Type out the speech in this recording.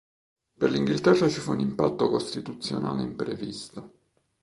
Per l'Inghilterra ci fu un impatto costituzionale imprevisto.